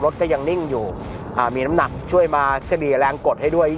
ก็ยังนิ่งอยู่มีน้ำหนักช่วยมาเฉลี่ยแรงกดให้ด้วย